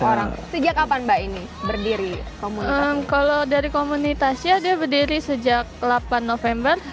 orang sejak kapan mbak ini berdiri komunitas kalau dari komunitasnya dia berdiri sejak delapan november